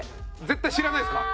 絶対知らないですか？